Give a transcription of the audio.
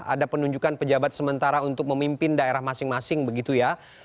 ada penunjukan pejabat sementara untuk memimpin daerah masing masing begitu ya